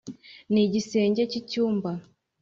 n’igisenge cy’inyumba